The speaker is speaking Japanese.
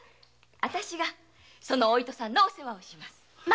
私がそのお糸さんのお世話をします。